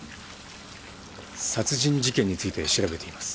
殺人事件について調べています。